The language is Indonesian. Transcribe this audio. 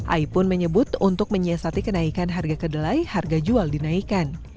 ai pun menyebut untuk menyiasati kenaikan harga kedelai harga jual dinaikkan